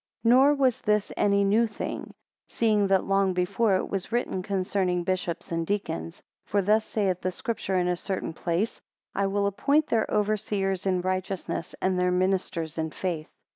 5 Nor was this any new thing; seeing that long before it was written concerning bishops and deacons. 6 For thus saith the Scripture, in a certain place; I will appoint their overseers in righteousness, and their ministers in faith.